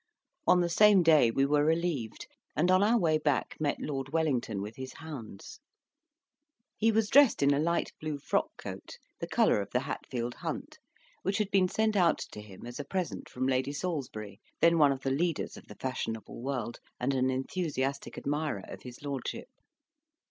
On the same day, we were relieved, and on our way back met Lord Wellington with his hounds. He was dressed in a light blue frock coat (the colour of the Hatfield hunt) which had been sent out to him as a present from Lady Salisbury, then one of the leaders of the fashionable world, and an enthusiastic admirer of his lordship.